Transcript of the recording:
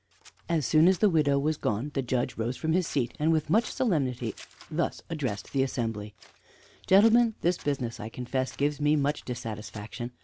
As soon as the widow was gone the Judge rose from his seat, and with much solemnity thus addressed the assembly: "Gentlemen, this business, I confess, gives me much dissatisfaction.